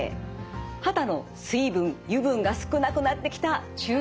肌の水分油分が少なくなってきた中高年。